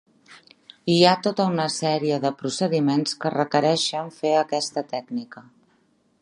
Hi ha tota una sèrie de procediments que requereixen fer aquesta tècnica.